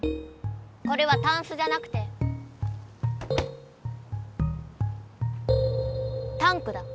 これはタンスじゃなくてタンクだ。